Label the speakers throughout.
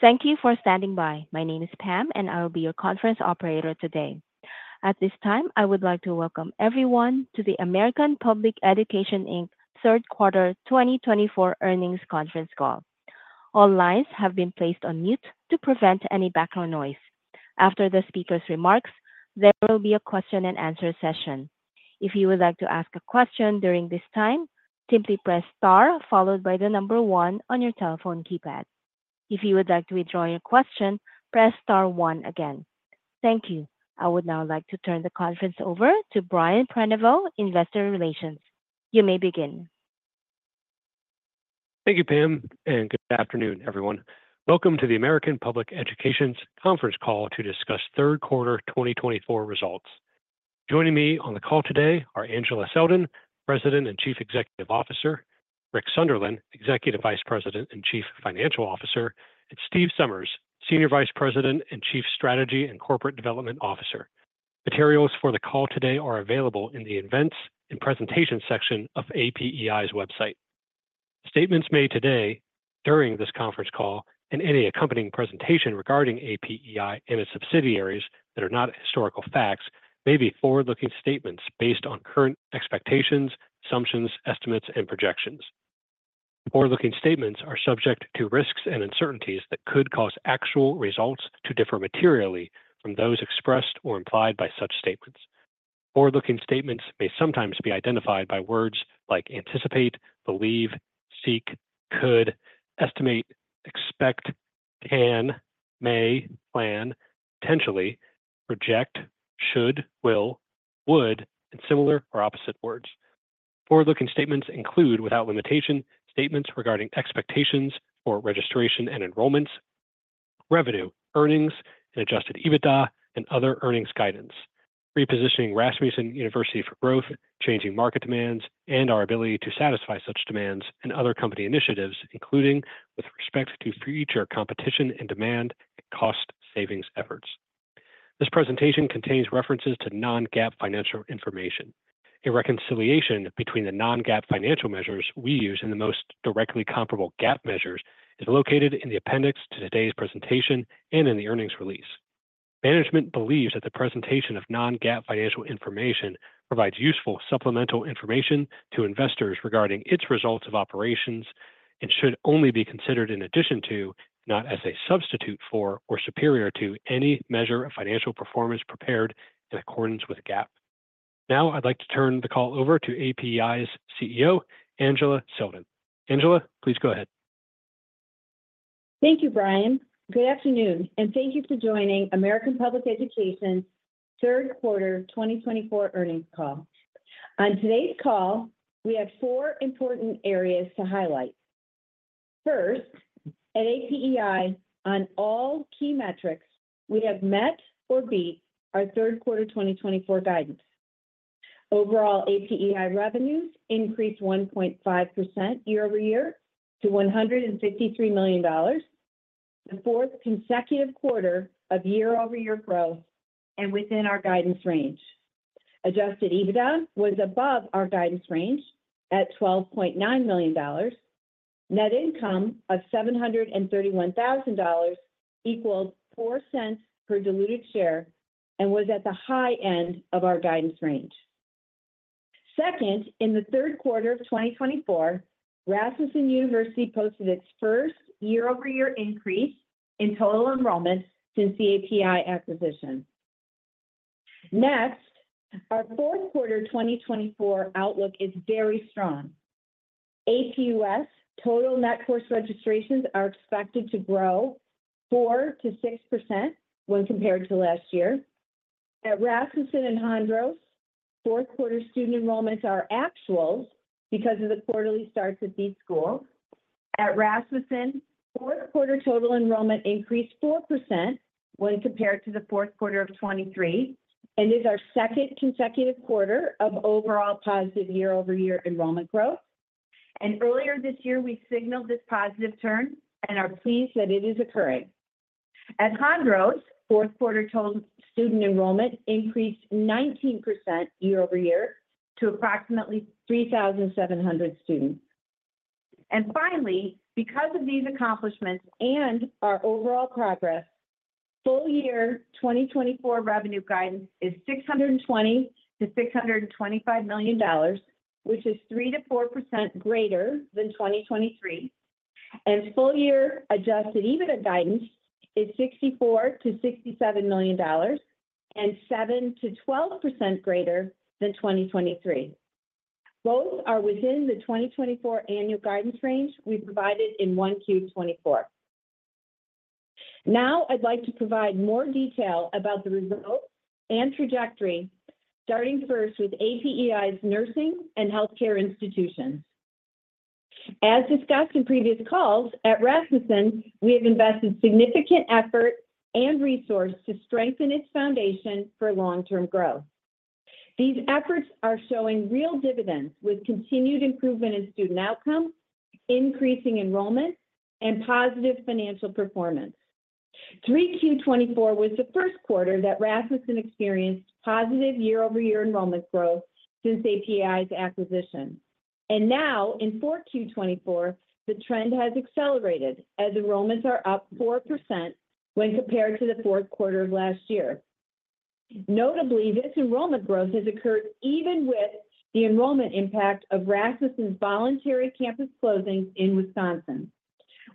Speaker 1: Thank you for standing by. My name is Pam, and I will be your conference operator today. At this time, I would like to welcome everyone to the American Public Education Inc. Third Quarter 2024 Earnings Conference Call. All lines have been placed on mute to prevent any background noise. After the speaker's remarks, there will be a question-and-answer session. If you would like to ask a question during this time, simply press star followed by the number one on your telephone keypad. If you would like to withdraw your question, press star one again. Thank you. I would now like to turn the conference over to Brian Prenoveau, Investor Relations. You may begin.
Speaker 2: Thank you, Pam, and good afternoon, everyone. Welcome to the American Public Education Conference Call to discuss Third Quarter 2024 results. Joining me on the call today are Angela Selden, President and Chief Executive Officer; Rick Sunderland, Executive Vice President and Chief Financial Officer; and Steve Somers, Senior Vice President and Chief Strategy and Corporate Development Officer. Materials for the call today are available in the Events and Presentations section of APEI's website. Statements made today during this conference call and any accompanying presentation regarding APEI and its subsidiaries that are not historical facts may be forward-looking statements based on current expectations, assumptions, estimates, and projections. Forward-looking statements are subject to risks and uncertainties that could cause actual results to differ materially from those expressed or implied by such statements. Forward-looking statements may sometimes be identified by words like anticipate, believe, seek, could, estimate, expect, can, may, plan, potentially, project, should, will, would, and similar or opposite words. Forward-looking statements include, without limitation, statements regarding expectations for registration and enrollments, revenue, earnings, and Adjusted EBITDA, and other earnings guidance, repositioning Rasmussen University for growth, changing market demands, and our ability to satisfy such demands, and other company initiatives, including with respect to future competition and demand and cost savings efforts. This presentation contains references to non-GAAP financial information. A reconciliation between the non-GAAP financial measures we use and the most directly comparable GAAP measures is located in the appendix to today's presentation and in the earnings release. Management believes that the presentation of non-GAAP financial information provides useful supplemental information to investors regarding its results of operations and should only be considered in addition to, not as a substitute for, or superior to, any measure of financial performance prepared in accordance with GAAP. Now, I'd like to turn the call over to APEI's CEO, Angela Selden. Angela, please go ahead.
Speaker 3: Thank you, Brian. Good afternoon, and thank you for joining American Public Education's Third Quarter 2024 Earnings Call. On today's call, we have four important areas to highlight. First, at APEI, on all key metrics, we have met or beat our Third Quarter 2024 guidance. Overall, APEI revenues increased 1.5% year-over-year to $153 million, the fourth consecutive quarter of year-over-year growth, and within our guidance range. Adjusted EBITDA was above our guidance range at $12.9 million. Net income of $731,000 equaled $0.04 per diluted share and was at the high end of our guidance range. Second, in the third quarter of 2024, Rasmussen University posted its first year-over-year increase in total enrollment since the APEI acquisition. Next, our fourth quarter 2024 outlook is very strong. APUS total net course registrations are expected to grow 4%-6% when compared to last year. At Rasmussen and Hondros, fourth quarter student enrollments are actuals because of the quarterly starts at these schools. At Rasmussen, fourth quarter total enrollment increased 4% when compared to the fourth quarter of 2023, and it is our second consecutive quarter of overall positive year-over-year enrollment growth. And earlier this year, we signaled this positive turn and are pleased that it is occurring. At Hondros, fourth quarter total student enrollment increased 19% year-over-year to approximately 3,700 students. And finally, because of these accomplishments and our overall progress, full year 2024 revenue guidance is $620 million-$625 million, which is 3%-4% greater than 2023. And full year Adjusted EBITDA guidance is $64 million-$67 million, and 7%-12% greater than 2023. Both are within the 2024 annual guidance range we provided in 1Q 2024. Now, I'd like to provide more detail about the results and trajectory, starting first with APEI's nursing and healthcare institutions. As discussed in previous calls, at Rasmussen, we have invested significant effort and resources to strengthen its foundation for long-term growth. These efforts are showing real dividends with continued improvement in student outcomes, increasing enrollment, and positive financial performance. 3Q 2024 was the first quarter that Rasmussen experienced positive year-over-year enrollment growth since APEI's acquisition. And now, in 4Q 2024, the trend has accelerated as enrollments are up 4% when compared to the fourth quarter of last year. Notably, this enrollment growth has occurred even with the enrollment impact of Rasmussen's voluntary campus closings in Wisconsin.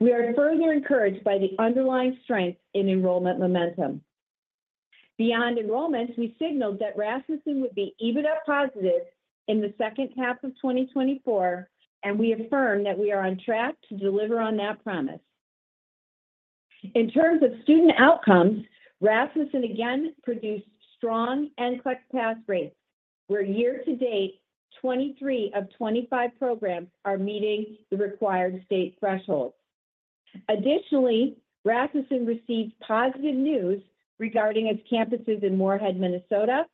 Speaker 3: We are further encouraged by the underlying strength in enrollment momentum. Beyond enrollments, we signaled that Rasmussen would be EBITDA positive in the second half of 2024, and we affirm that we are on track to deliver on that promise. In terms of student outcomes, Rasmussen again produced strong NCLEX pass rates, where year-to-date, 23 of 25 programs are meeting the required state thresholds. Additionally, Rasmussen received positive news regarding its campuses in Moorhead, Minnesota,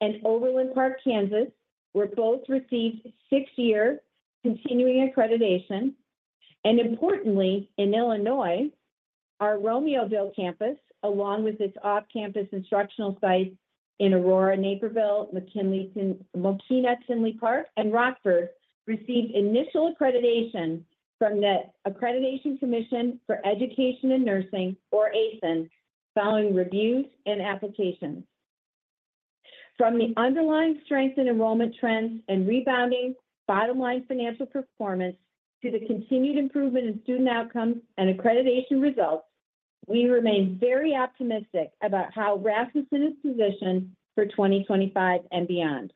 Speaker 3: and Overland Park, Kansas, where both received six-year continuing accreditation. And importantly, in Illinois, our Romeoville campus, along with its off-campus instructional sites in Aurora, Naperville, Mokena, Tinley Park, and Rockford, received initial accreditation from the Accreditation Commission for Education in Nursing, or ACEN, following reviews and applications. From the underlying strength in enrollment trends and rebounding bottom-line financial performance to the continued improvement in student outcomes and accreditation results, we remain very optimistic about how Rasmussen is positioned for 2025 and beyond.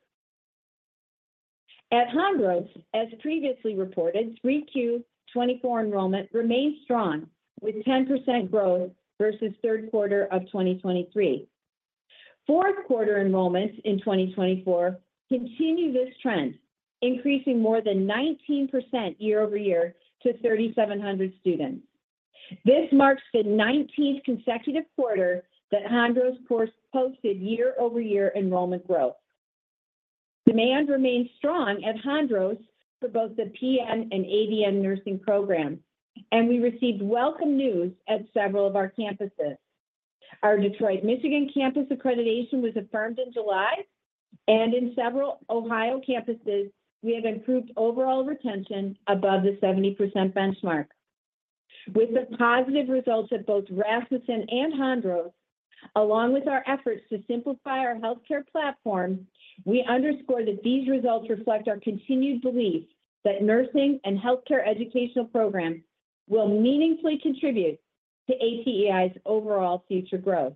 Speaker 3: At Hondros, as previously reported, 3Q 2024 enrollment remained strong, with 10% growth versus third quarter of 2023. Fourth quarter enrollments in 2024 continue this trend, increasing more than 19% year-over-year to 3,700 students. This marks the 19th consecutive quarter that Hondros posted year-over-year enrollment growth. Demand remained strong at Hondros for both the PN and ADN nursing programs, and we received welcome news at several of our campuses. Our Detroit, Michigan campus accreditation was affirmed in July, and in several Ohio campuses, we have improved overall retention above the 70% benchmark. With the positive results at both Rasmussen and Hondros, along with our efforts to simplify our healthcare platform, we underscore that these results reflect our continued belief that nursing and healthcare educational programs will meaningfully contribute to APEI's overall future growth.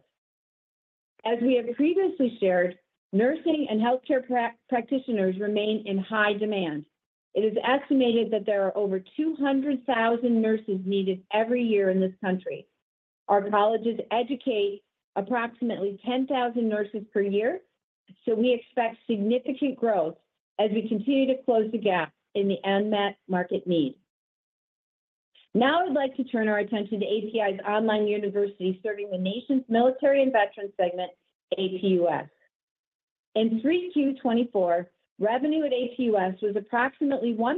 Speaker 3: As we have previously shared, nursing and healthcare practitioners remain in high demand. It is estimated that there are over 200,000 nurses needed every year in this country. Our colleges educate approximately 10,000 nurses per year, so we expect significant growth as we continue to close the gap in the unmet market need. Now, I'd like to turn our attention to APEI's online university serving the nation's military and veterans segment, APUS. In 3Q 2024, revenue at APUS was approximately 1%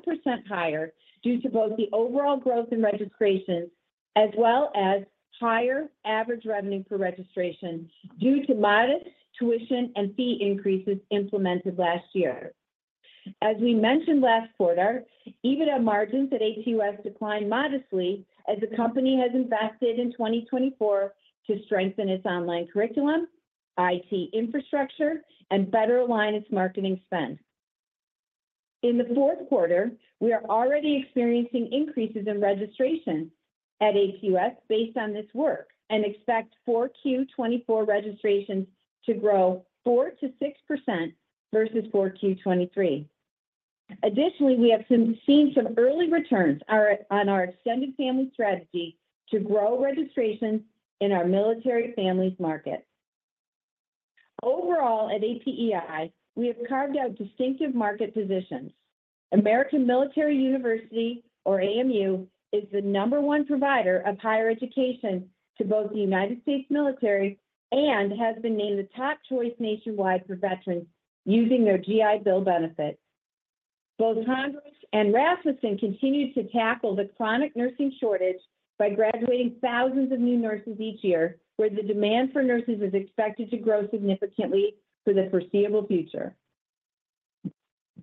Speaker 3: higher due to both the overall growth in registrations as well as higher average revenue per registration due to modest tuition and fee increases implemented last year. As we mentioned last quarter, EBITDA margins at APUS declined modestly as the company has invested in 2024 to strengthen its online curriculum, IT infrastructure, and better align its marketing spend. In the fourth quarter, we are already experiencing increases in registrations at APUS based on this work and expect 4Q 2024 registrations to grow 4%-6% versus 4Q 2023. Additionally, we have seen some early returns on our extended family strategy to grow registrations in our military families market. Overall, at APEI, we have carved out distinctive market positions. American Military University, or AMU, is the number one provider of higher education to both the United States military and has been named the top choice nationwide for veterans using their GI Bill benefits. Both Hondros and Rasmussen continue to tackle the chronic nursing shortage by graduating thousands of new nurses each year, where the demand for nurses is expected to grow significantly for the foreseeable future.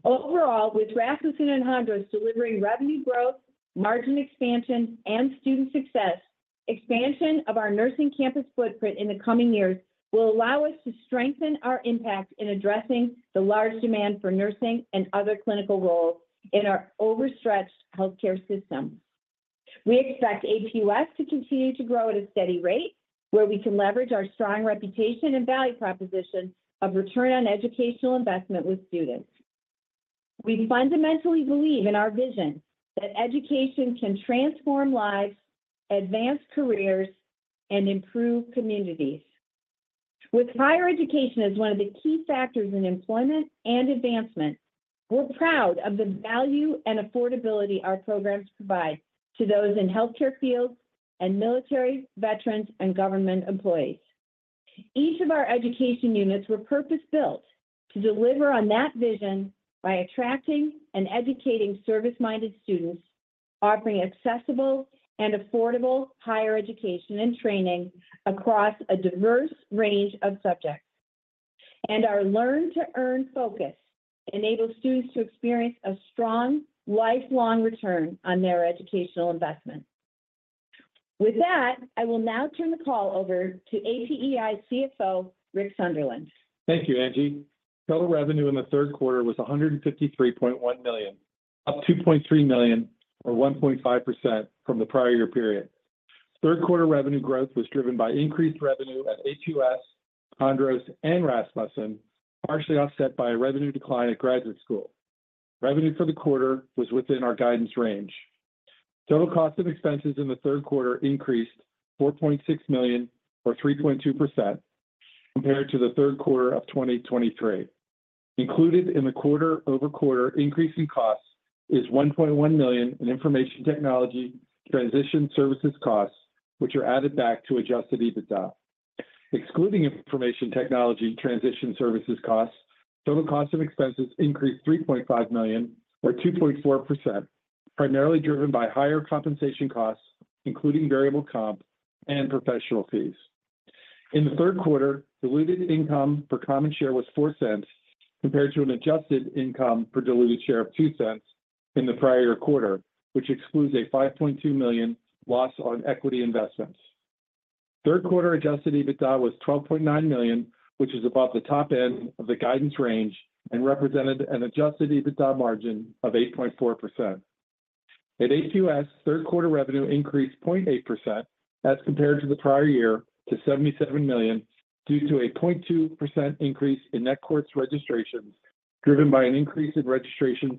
Speaker 3: Overall, with Rasmussen and Hondros delivering revenue growth, margin expansion, and student success, expansion of our nursing campus footprint in the coming years will allow us to strengthen our impact in addressing the large demand for nursing and other clinical roles in our overstretched healthcare system. We expect APUS to continue to grow at a steady rate, where we can leverage our strong reputation and value proposition of return on educational investment with students. We fundamentally believe in our vision that education can transform lives, advance careers, and improve communities. With higher education as one of the key factors in employment and advancement, we're proud of the value and affordability our programs provide to those in healthcare fields and military veterans and government employees. Each of our education units were purpose-built to deliver on that vision by attracting and educating service-minded students, offering accessible and affordable higher education and training across a diverse range of subjects, and our learn-to-earn focus enables students to experience a strong lifelong return on their educational investment. With that, I will now turn the call over to APEI CFO, Rick Sunderland.
Speaker 4: Thank you, Angie. Total revenue in the third quarter was $153.1 million, up $2.3 million, or 1.5% from the prior year period. Third quarter revenue growth was driven by increased revenue at APUS, Hondros, and Rasmussen, partially offset by a revenue decline at Graduate School. Revenue for the quarter was within our guidance range. Total cost of expenses in the third quarter increased $4.6 million, or 3.2%, compared to the third quarter of 2023. Included in the quarter-over-quarter increase in costs is $1.1 million in information technology transition services costs, which are added back to Adjusted EBITDA. Excluding information technology transition services costs, total cost of expenses increased $3.5 million, or 2.4%, primarily driven by higher compensation costs, including variable comp and professional fees. In the third quarter, diluted income per common share was $0.04 compared to an adjusted income per diluted share of $0.02 in the prior quarter, which excludes a $5.2 million loss on equity investments. Third quarter adjusted EBITDA was $12.9 million, which is above the top end of the guidance range and represented an adjusted EBITDA margin of 8.4%. At APUS, third quarter revenue increased 0.8% as compared to the prior year to $77 million due to a 0.2% increase in net course registrations driven by an increase in registrations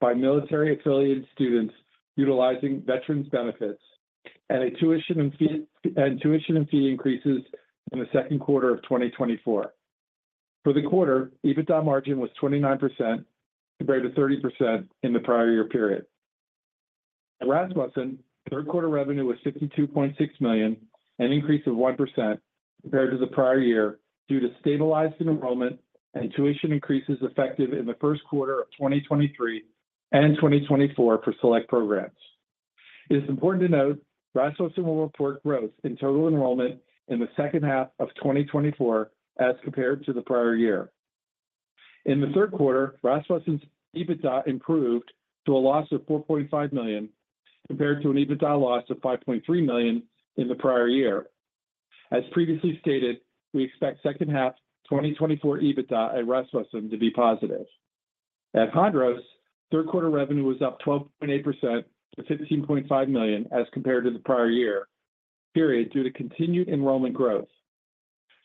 Speaker 4: by military-affiliated students utilizing veterans benefits and tuition and fee increases in the second quarter of 2024. For the quarter, EBITDA margin was 29% compared to 30% in the prior year period. At Rasmussen, third quarter revenue was $52.6 million, an increase of 1% compared to the prior year due to stabilized enrollment and tuition increases effective in the first quarter of 2023 and 2024 for select programs. It is important to note Rasmussen will report growth in total enrollment in the second half of 2024 as compared to the prior year. In the third quarter, Rasmussen's EBITDA improved to a loss of $4.5 million compared to an EBITDA loss of $5.3 million in the prior year. As previously stated, we expect second half 2024 EBITDA at Rasmussen to be positive. At Hondros, third quarter revenue was up 12.8% to $15.5 million as compared to the prior-year period due to continued enrollment growth.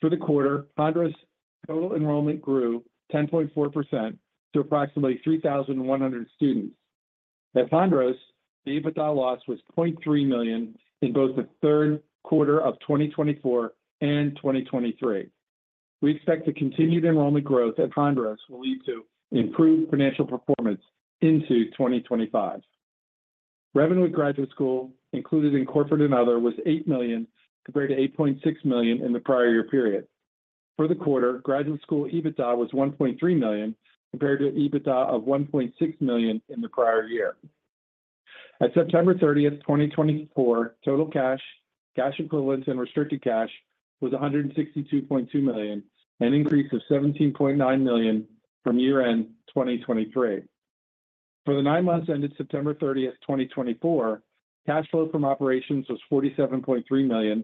Speaker 4: For the quarter, Hondros' total enrollment grew 10.4% to approximately 3,100 students. At Hondros, the EBITDA loss was $0.3 million in both the third quarter of 2024 and 2023. We expect the continued enrollment growth at Hondros will lead to improved financial performance into 2025. Revenue at Graduate School, included in corporate and other, was $8 million compared to $8.6 million in the prior year period. For the quarter, Graduate School EBITDA was $1.3 million compared to EBITDA of $1.6 million in the prior year. At September 30th, 2024, total cash, cash equivalents, and restricted cash was $162.2 million, an increase of $17.9 million from year-end 2023. For the nine months ended September 30th, 2024, cash flow from operations was $47.3 million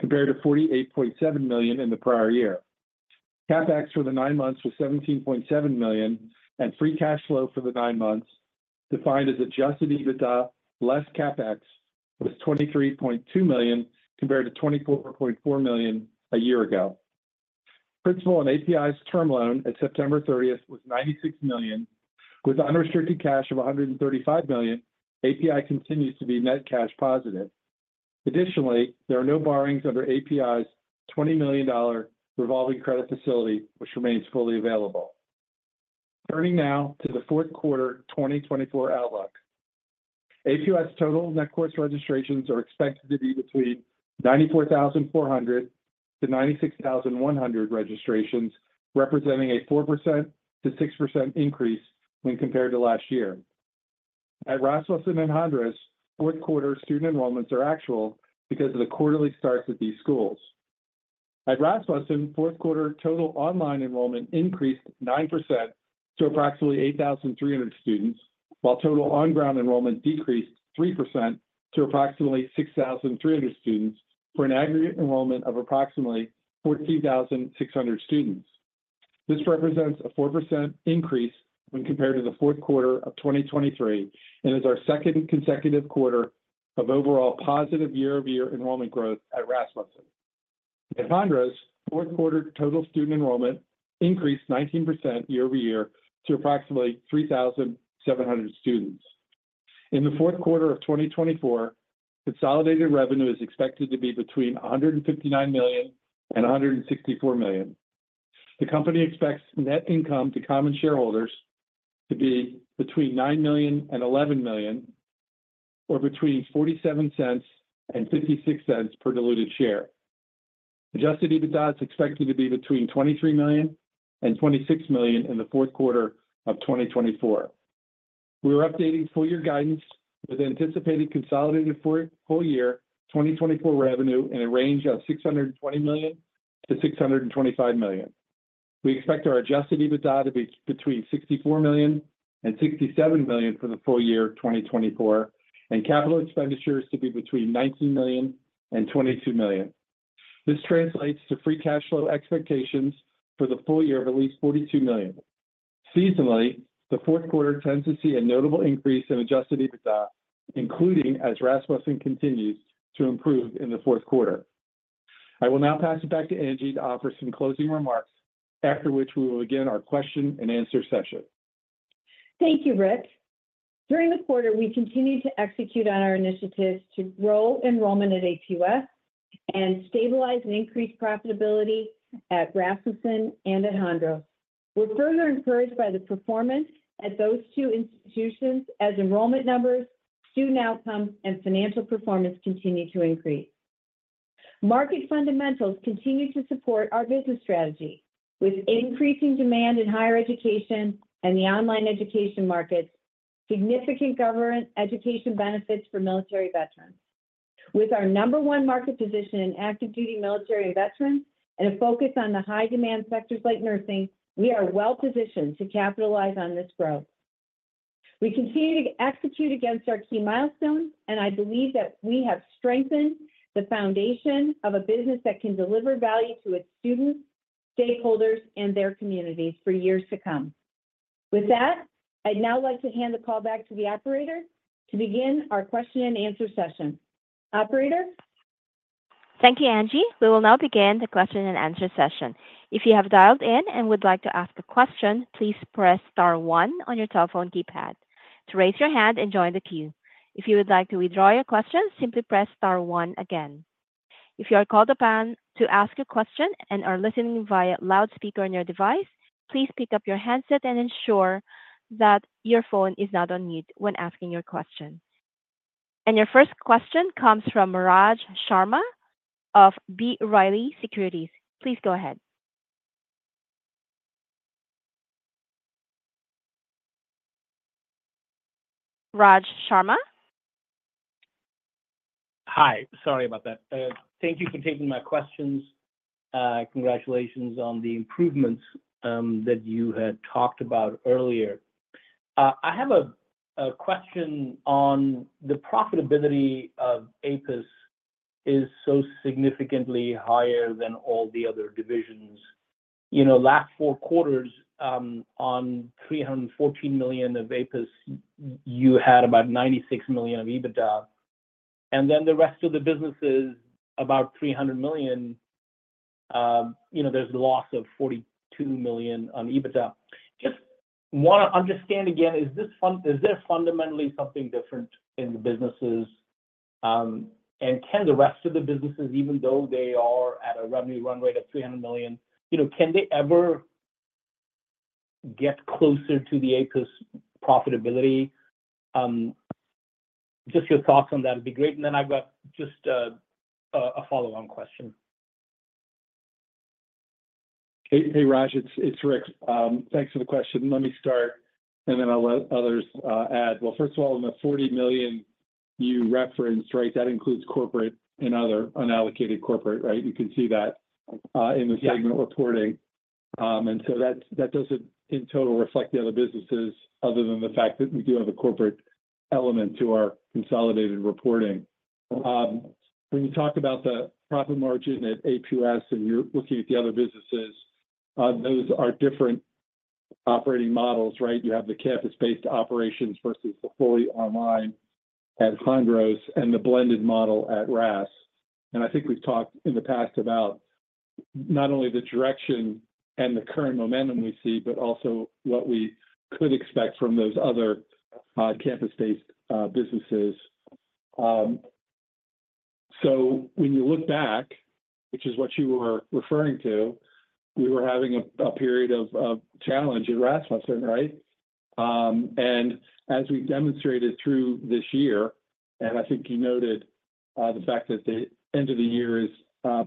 Speaker 4: compared to $48.7 million in the prior year. CapEx for the nine months was $17.7 million, and free cash flow for the nine months, defined as adjusted EBITDA less CapEx, was $23.2 million compared to $24.4 million a year ago. Principal on APEI's term loan at September 30th was $96 million. With unrestricted cash of $135 million, APEI continues to be net cash positive. Additionally, there are no borrowings under APEI's $20 million revolving credit facility, which remains fully available. Turning now to the fourth quarter 2024 outlook, APUS total net course registrations are expected to be between 94,400-96,100 registrations, representing a 4%-6% increase when compared to last year. At Rasmussen and Hondros, fourth quarter student enrollments are actual because of the quarterly starts at these schools. At Rasmussen, fourth quarter total online enrollment increased 9% to approximately 8,300 students, while total on-ground enrollment decreased 3% to approximately 6,300 students for an aggregate enrollment of approximately 14,600 students. This represents a 4% increase when compared to the fourth quarter of 2023 and is our second consecutive quarter of overall positive year-over-year enrollment growth at Rasmussen. At Hondros, fourth quarter total student enrollment increased 19% year-over-year to approximately 3,700 students. In the fourth quarter of 2024, consolidated revenue is expected to be between $159 million and $164 million. The company expects net income to common shareholders to be between $9 million and $11 million, or between $0.47 and $0.56 per diluted share. Adjusted EBITDA is expected to be between $23 million and $26 million in the fourth quarter of 2024. We are updating full-year guidance with anticipated consolidated full-year 2024 revenue in a range of $620 million-$625 million. We expect our adjusted EBITDA to be between $64 million and $67 million for the full year 2024, and capital expenditures to be between $19 million and $22 million. This translates to free cash flow expectations for the full year of at least $42 million. Seasonally, the fourth quarter tends to see a notable increase in Adjusted EBITDA, including as Rasmussen continues to improve in the fourth quarter. I will now pass it back to Angie to offer some closing remarks, after which we will begin our question-and-answer session.
Speaker 3: Thank you, Rick. During the quarter, we continue to execute on our initiatives to grow enrollment at APUS and stabilize and increase profitability at Rasmussen and at Hondros. We're further encouraged by the performance at those two institutions as enrollment numbers, student outcomes, and financial performance continue to increase. Market fundamentals continue to support our business strategy. With increasing demand in higher education and the online education markets, significant government education benefits for military veterans. With our number one market position in active duty military and veterans and a focus on the high-demand sectors like nursing, we are well positioned to capitalize on this growth. We continue to execute against our key milestones, and I believe that we have strengthened the foundation of a business that can deliver value to its students, stakeholders, and their communities for years to come. With that, I'd now like to hand the call back to the operator to begin our question-and-answer session. Operator.
Speaker 1: Thank you, Angie. We will now begin the question-and-answer session. If you have dialed in and would like to ask a question, please press star one on your telephone keypad to raise your hand and join the queue. If you would like to withdraw your question, simply press star one again. If you are called upon to ask a question and are listening via loudspeaker on your device, please pick up your handset and ensure that your phone is not on mute when asking your question. Your first question comes from Raj Sharma of B. Riley Securities. Please go ahead. Raj Sharma.
Speaker 5: Hi. Sorry about that. Thank you for taking my questions. Congratulations on the improvements that you had talked about earlier. I have a question on the profitability of APUS, which is so significantly higher than all the other divisions. Last four quarters, on $314 million of APUS, you had about $96 million of EBITDA. And then the rest of the businesses, about $300 million, there's a loss of $42 million on EBITDA. Just want to understand again, is there fundamentally something different in the businesses? And can the rest of the businesses, even though they are at a revenue run rate of $300 million, can they ever get closer to the APUS profitability? Just your thoughts on that would be great. And then I've got just a follow-on question.
Speaker 4: Hey, Raj. It's Rick. Thanks for the question. Let me start, and then I'll let others add. Well, first of all, in the $40 million you referenced, right, that includes corporate and other unallocated corporate, right? You can see that in the segment reporting. And so that doesn't, in total, reflect the other businesses other than the fact that we do have a corporate element to our consolidated reporting. When you talk about the profit margin at APUS and you're looking at the other businesses, those are different operating models, right? You have the campus-based operations versus the fully online at Hondros and the blended model at RAS. And I think we've talked in the past about not only the direction and the current momentum we see, but also what we could expect from those other campus-based businesses. So when you look back, which is what you were referring to, we were having a period of challenge at Rasmussen, right? And as we've demonstrated through this year, and I think you noted the fact that the end of the year is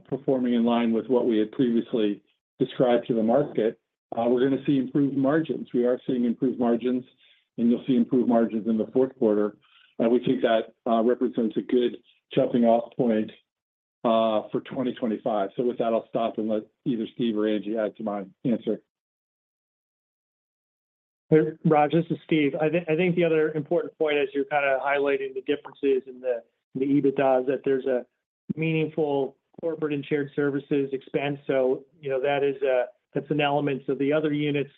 Speaker 4: performing in line with what we had previously described to the market, we're going to see improved margins. We are seeing improved margins, and you'll see improved margins in the fourth quarter. And we think that represents a good jumping-off point for 2025. So with that, I'll stop and let either Steve or Angie add to my answer.
Speaker 6: Hey, Raj, this is Steve. I think the other important point, as you're kind of highlighting the differences in the EBITDA, is that there's a meaningful corporate and shared services expense. So that's an element. So the other units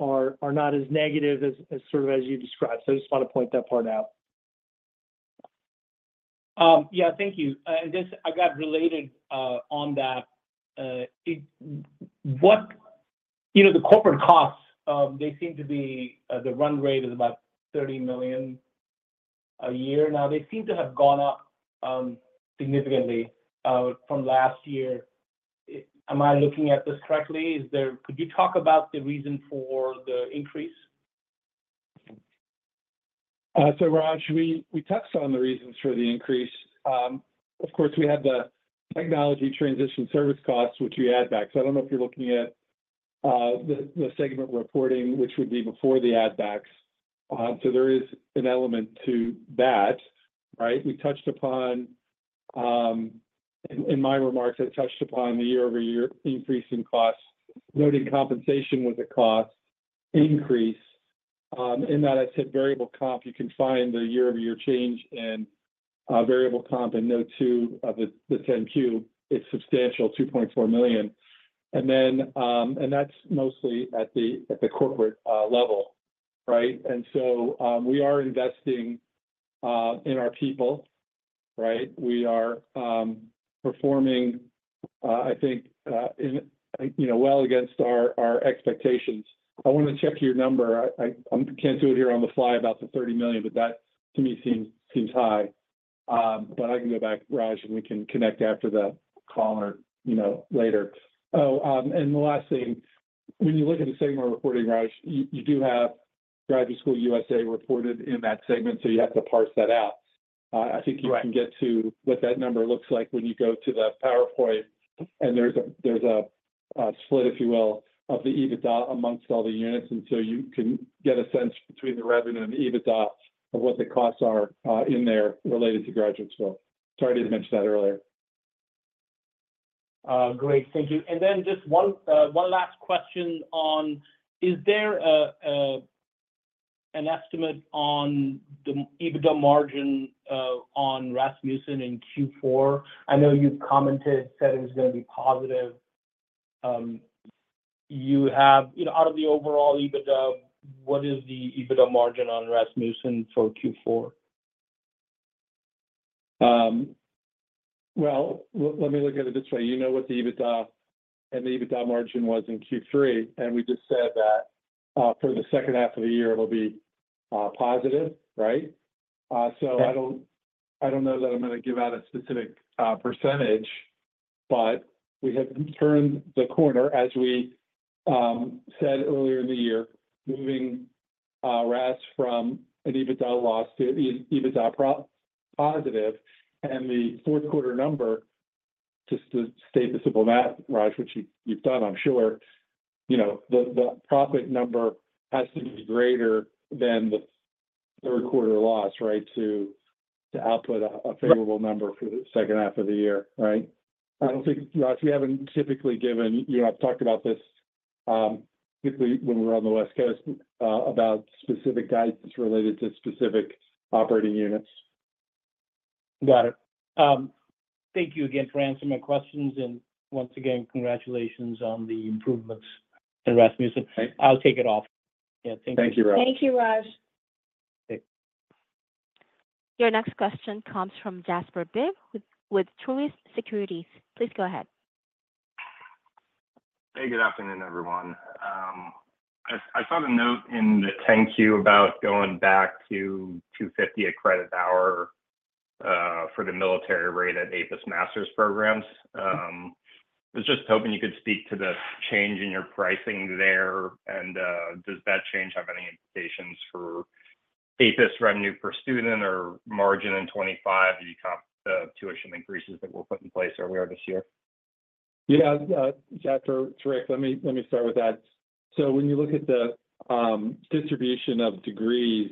Speaker 6: are not as negative as sort of as you described. So I just want to point that part out.
Speaker 5: Yeah, thank you. I got related on that. The corporate costs, they seem to be the run rate is about $30 million a year. Now, they seem to have gone up significantly from last year. Am I looking at this correctly? Could you talk about the reason for the increase?
Speaker 4: So Raj, we touched on the reasons for the increase. Of course, we had the technology transition service costs, which we add back. So I don't know if you're looking at the segment reporting, which would be before the add-backs. So there is an element to that, right? We touched upon in my remarks, I touched upon the year-over-year increase in costs. Noting compensation was a cost increase. In that, I said variable comp, you can find the year-over-year change in variable comp in note two of the 10-Q. It's substantial, $2.4 million. And that's mostly at the corporate level, right? And so we are investing in our people, right? We are performing, I think, well against our expectations. I want to check your number. I can't do it here on the fly about the $30 million, but that, to me, seems high. But I can go back, Raj, and we can connect after the call or later. Oh, and the last thing, when you look at the segment reporting, Raj, you do have Graduate School USA reported in that segment, so you have to parse that out. I think you can get to what that number looks like when you go to the PowerPoint, and there's a split, if you will, of the EBITDA amongst all the units. And so you can get a sense between the revenue and the EBITDA of what the costs are in there related to Graduate School. Sorry to mention that earlier.
Speaker 5: Great. Thank you. And then just one last question: Is there an estimate on the EBITDA margin on Rasmussen in Q4? I know you commented, said it was going to be positive. Out of the overall EBITDA, what is the EBITDA margin on Rasmussen for Q4?
Speaker 4: Well, let me look at it this way. You know what the EBITDA and the EBITDA margin was in Q3, and we just said that for the second half of the year, it'll be positive, right? So I don't know that I'm going to give out a specific percentage, but we have turned the corner, as we said earlier in the year, moving RAS from an EBITDA loss to an EBITDA positive. And the fourth quarter number, just to state the simple math, Raj, which you've done, I'm sure, the profit number has to be greater than the third quarter loss, right, to output a favorable number for the second half of the year, right? I don't think, Raj, we haven't typically given you and I've talked about this particularly when we're on the West Coast about specific guidance related to specific operating units.
Speaker 5: Got it. Thank you again for answering my questions, and once again, congratulations on the improvements in Rasmussen. I'll take it off. Yeah, thank you.
Speaker 4: Thank you, Raj.
Speaker 1: Thank you, Raj. Your next question comes from Jasper Bibb with Truist Securities. Please go ahead.
Speaker 7: Hey, good afternoon, everyone. I saw the note in the 10-Q about going back to $250 a credit hour for the military rate at APUS master's programs. I was just hoping you could speak to the change in your pricing there. And does that change have any implications for APUS revenue per student or margin in 2025, the tuition increases that we'll put in place earlier this year?
Speaker 4: Yeah, Jasper, it's Rick. Let me start with that. So when you look at the distribution of degrees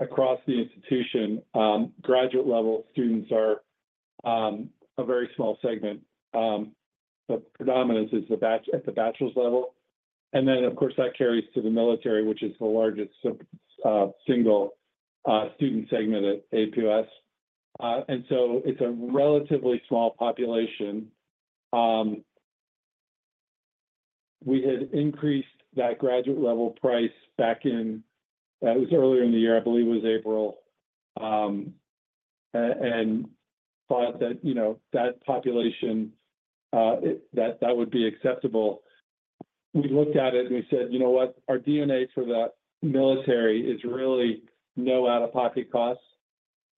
Speaker 4: across the institution, graduate-level students are a very small segment. The predominance is at the bachelor's level. And then, of course, that carries to the military, which is the largest single student segment at APUS. And so it's a relatively small population. We had increased that graduate-level price back in it was earlier in the year, I believe it was April, and thought that that population, that that would be acceptable. We looked at it and we said, you know what? Our DNA for the military is really no out-of-pocket costs.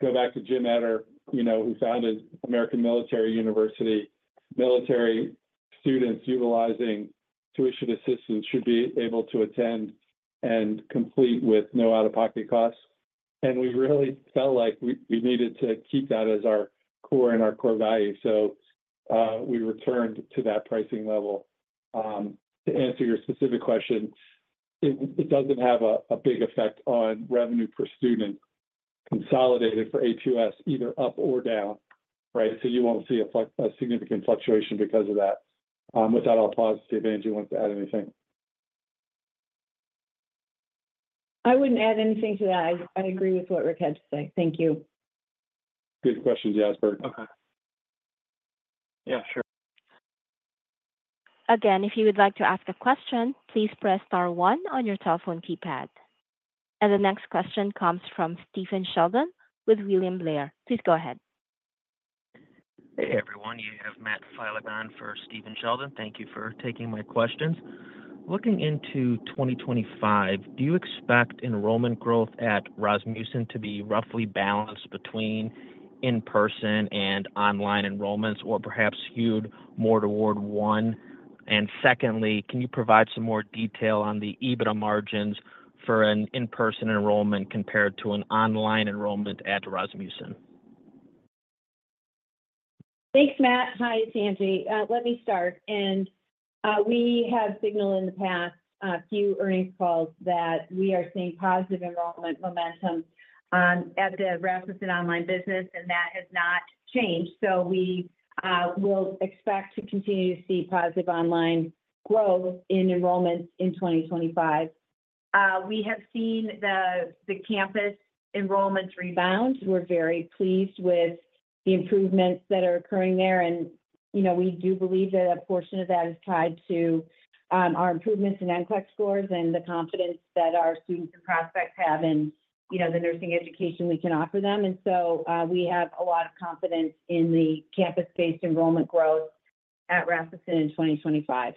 Speaker 4: Go back to Jim Etter, who founded American Military University. Military students utilizing Tuition Assistance should be able to attend and complete with no out-of-pocket costs. We really felt like we needed to keep that as our core and our core value. We returned to that pricing level. To answer your specific question, it doesn't have a big effect on revenue per student consolidated for APUS, either up or down, right? You won't see a significant fluctuation because of that. With that, I'll pause if Angie wants to add anything.
Speaker 3: I wouldn't add anything to that. I agree with what Rick had to say. Thank you.
Speaker 4: Good question, Jasper.
Speaker 7: Okay. Yeah, sure.
Speaker 1: Again, if you would like to ask a question, please press star one on your telephone keypad, and the next question comes from Steven Sheldon with William Blair. Please go ahead.
Speaker 8: Hey, everyone. You have Matthew Filek for Steven Sheldon. Thank you for taking my questions. Looking into 2025, do you expect enrollment growth at Rasmussen to be roughly balanced between in-person and online enrollments, or perhaps skewed more toward one? And secondly, can you provide some more detail on the EBITDA margins for an in-person enrollment compared to an online enrollment at Rasmussen?
Speaker 3: Thanks, Matt. Hi, it's Angie. Let me start, and we have signaled in the past a few earnings calls that we are seeing positive enrollment momentum at the Rasmussen online business, and that has not changed, so we will expect to continue to see positive online growth in enrollments in 2025. We have seen the campus enrollments rebound. We're very pleased with the improvements that are occurring there, and we do believe that a portion of that is tied to our improvements in NCLEX scores and the confidence that our students and prospects have in the nursing education we can offer them, and so we have a lot of confidence in the campus-based enrollment growth at Rasmussen in 2025.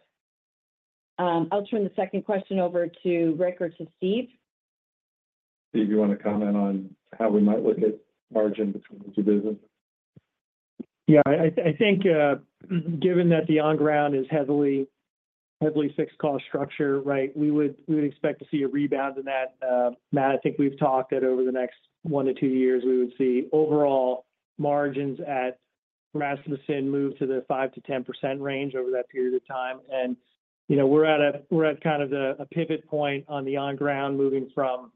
Speaker 3: I'll turn the second question over to Rick or to Steve.
Speaker 4: Steve, do you want to comment on how we might look at margin between the two businesses?
Speaker 6: Yeah, I think given that the on-ground is heavily fixed cost structure, right, we would expect to see a rebound in that. Matt, I think we've talked that over the next one to two years, we would see overall margins at Rasmussen move to the 5%-10% range over that period of time. And we're at kind of a pivot point on the on-ground moving from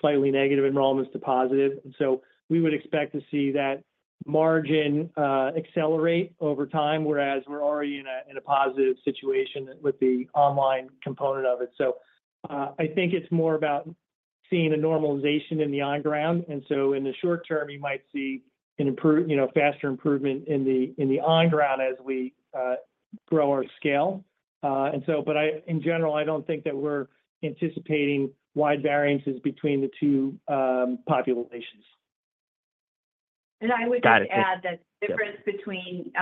Speaker 6: slightly negative enrollments to positive. And so we would expect to see that margin accelerate over time, whereas we're already in a positive situation with the online component of it. So I think it's more about seeing a normalization in the on-ground. And so in the short term, you might see a faster improvement in the on-ground as we grow our scale. And so, but in general, I don't think that we're anticipating wide variances between the two populations.
Speaker 3: I would just add that the difference between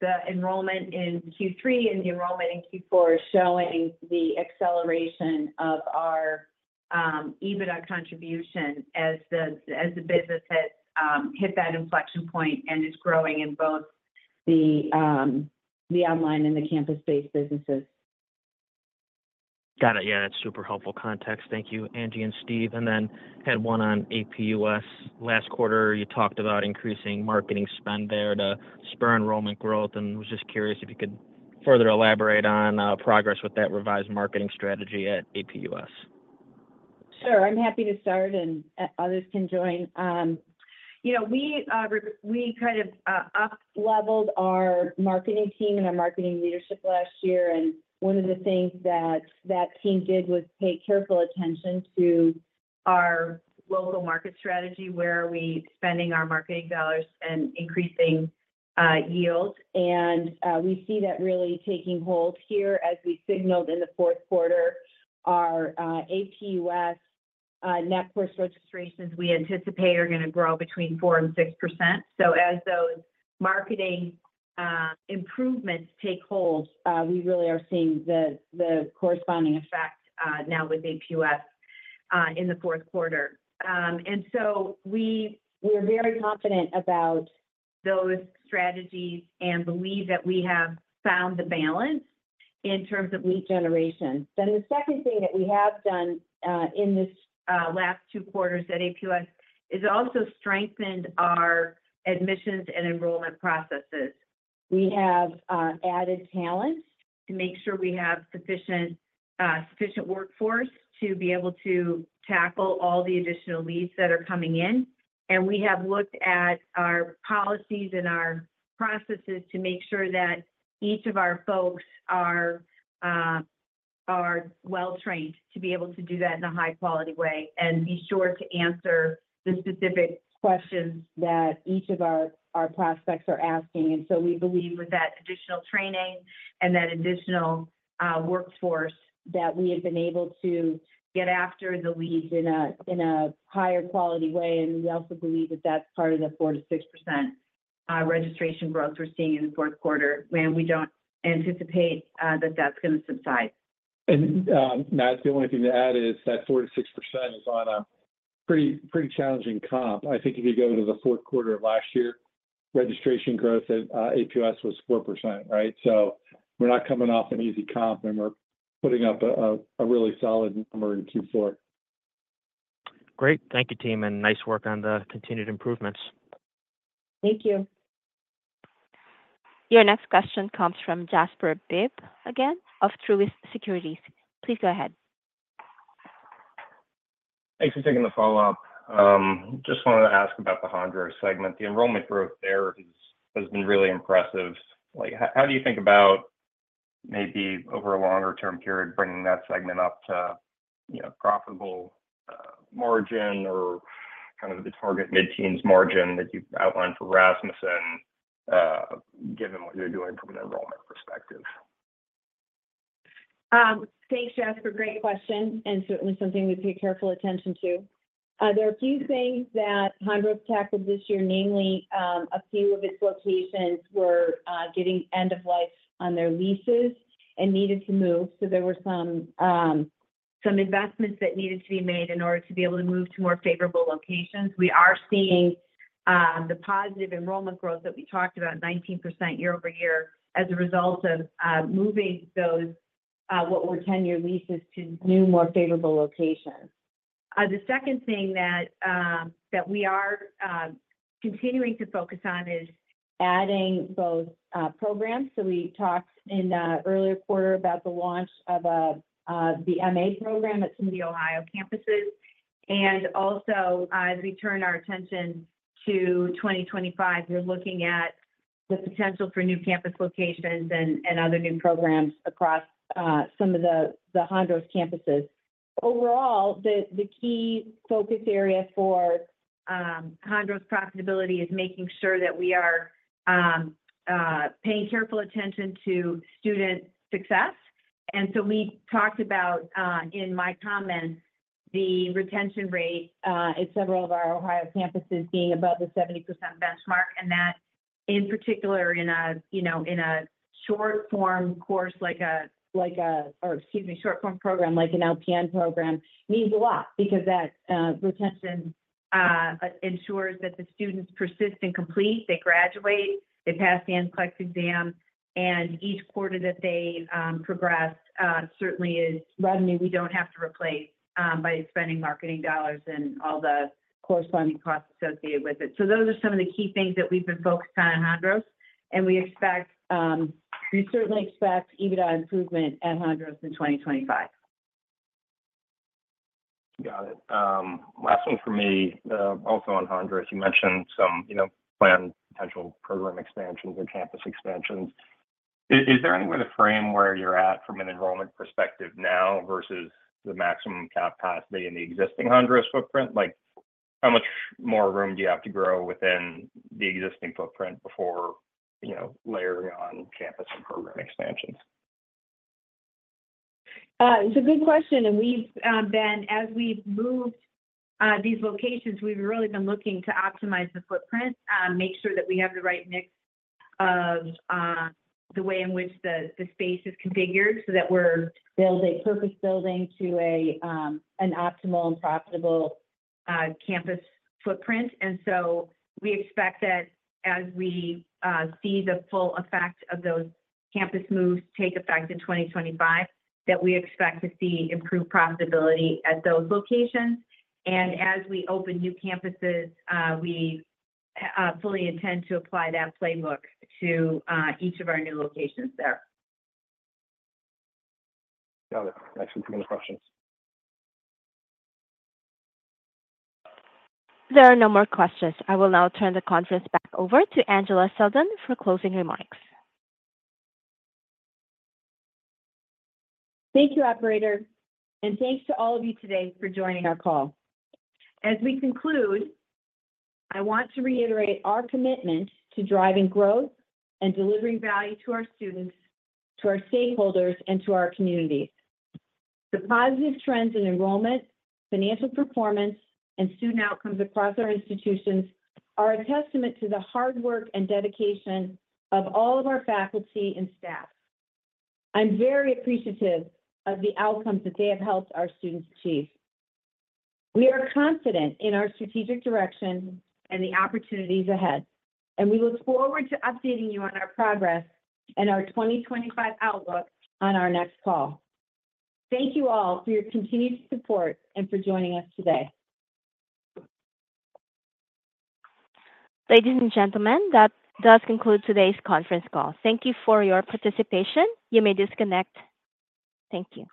Speaker 3: the enrollment in Q3 and the enrollment in Q4 is showing the acceleration of our EBITDA contribution as the business has hit that inflection point and is growing in both the online and the campus-based businesses.
Speaker 8: Got it. Yeah, that's super helpful context. Thank you, Angie and Steve. And then had one on APUS. Last quarter, you talked about increasing marketing spend there to spur enrollment growth. And was just curious if you could further elaborate on progress with that revised marketing strategy at APUS?
Speaker 3: Sure. I'm happy to start, and others can join. We kind of up-leveled our marketing team and our marketing leadership last year. And one of the things that that team did was pay careful attention to our local market strategy, where are we spending our marketing dollars and increasing yield? And we see that really taking hold here as we signaled in the fourth quarter. Our APUS net course registrations, we anticipate are going to grow between 4% and 6%. So as those marketing improvements take hold, we really are seeing the corresponding effect now with APUS in the fourth quarter. And so we are very confident about those strategies and believe that we have found the balance in terms of lead generation. Then the second thing that we have done in this last two quarters at APUS is also strengthened our admissions and enrollment processes. We have added talent to make sure we have sufficient workforce to be able to tackle all the additional leads that are coming in. And we have looked at our policies and our processes to make sure that each of our folks are well-trained to be able to do that in a high-quality way and be sure to answer the specific questions that each of our prospects are asking. And so we believe with that additional training and that additional workforce that we have been able to get after the leads in a higher quality way. And we also believe that that's part of the 4%-6% registration growth we're seeing in the fourth quarter, and we don't anticipate that that's going to subside.
Speaker 4: And Matt, the only thing to add is that 4%-6% is on a pretty challenging comp. I think if you go to the fourth quarter of last year, registration growth at APUS was 4%, right? So we're not coming off an easy comp, and we're putting up a really solid number in Q4.
Speaker 8: Great. Thank you, team, and nice work on the continued improvements.
Speaker 3: Thank you.
Speaker 1: Your next question comes from Jasper Bibb again of Truist Securities. Please go ahead.
Speaker 7: Thanks for taking the follow-up. Just wanted to ask about the Hondros segment. The enrollment growth there has been really impressive. How do you think about maybe over a longer-term period, bringing that segment up to profitable margin or kind of the target mid-teens margin that you've outlined for Rasmussen, given what you're doing from an enrollment perspective?
Speaker 3: Thanks, Jasper. Great question, and certainly something we pay careful attention to. There are a few things that Hondros tackled this year, namely a few of its locations were getting end-of-life on their leases and needed to move. So there were some investments that needed to be made in order to be able to move to more favorable locations. We are seeing the positive enrollment growth that we talked about, 19% year-over-year, as a result of moving what were 10-year leases to new, more favorable locations. The second thing that we are continuing to focus on is adding both programs. So we talked in the earlier quarter about the launch of the MA program at some of the Ohio campuses. And also, as we turn our attention to 2025, we're looking at the potential for new campus locations and other new programs across some of the Hondros campuses. Overall, the key focus area for Hondros's profitability is making sure that we are paying careful attention to student success. And so we talked about, in my comments, the retention rate at several of our Ohio campuses being above the 70% benchmark. And that, in particular, in a short-form course like a—excuse me—short-form program like an LPN program means a lot because that retention ensures that the students persist and complete. They graduate, they pass the NCLEX exam, and each quarter that they progress certainly is revenue we don't have to replace by spending marketing dollars and all the corresponding costs associated with it. So those are some of the key things that we've been focused on at Hondros. And we certainly expect EBITDA improvement at Hondros in 2025.
Speaker 7: Got it. Last one for me, also on Hondros. You mentioned some planned potential program expansions or campus expansions. Is there any way to frame where you're at from an enrollment perspective now versus the maximum capacity in the existing Hondros footprint? How much more room do you have to grow within the existing footprint before layering on campus and program expansions?
Speaker 3: It's a good question. And as we've moved these locations, we've really been looking to optimize the footprint, make sure that we have the right mix of the way in which the space is configured so that we're building purpose-built to an optimal and profitable campus footprint. And so we expect that as we see the full effect of those campus moves take effect in 2025, that we expect to see improved profitability at those locations. And as we open new campuses, we fully intend to apply that playbook to each of our new locations there.
Speaker 7: Got it. Next few questions.
Speaker 1: There are no more questions. I will now turn the conference back over to Angela Selden for closing remarks.
Speaker 3: Thank you, operators, and thanks to all of you today for joining our call. As we conclude, I want to reiterate our commitment to driving growth and delivering value to our students, to our stakeholders, and to our communities. The positive trends in enrollment, financial performance, and student outcomes across our institutions are a testament to the hard work and dedication of all of our faculty and staff. I'm very appreciative of the outcomes that they have helped our students achieve. We are confident in our strategic direction and the opportunities ahead, and we look forward to updating you on our progress and our 2025 outlook on our next call. Thank you all for your continued support and for joining us today.
Speaker 1: Ladies and gentlemen, that does conclude today's conference call. Thank you for your participation. You may disconnect. Thank you.